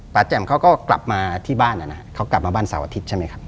แจ่มเขาก็กลับมาที่บ้านนะครับเขากลับมาบ้านเสาร์อาทิตย์ใช่ไหมครับ